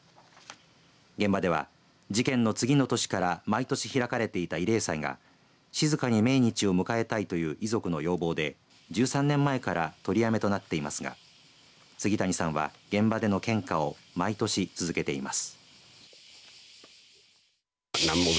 現場では事件の次の年から毎年開かれていた慰霊祭が静かに命日を迎えたいという遺族の要望で１３年前から取りやめとなっていますが杉谷さんは現場での献花を毎年続けています。